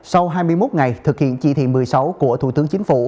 sau hai mươi một ngày thực hiện chỉ thị một mươi sáu của thủ tướng chính phủ